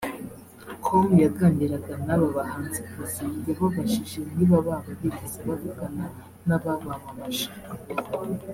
com yaganiraga n’aba bahanzikazi yababajije niba baba bigeze bavugana n’ababamamaje